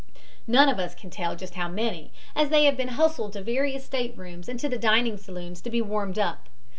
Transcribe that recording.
"None of us can tell just how many, as they have been hustled to various staterooms and to the dining saloons to be warmed up.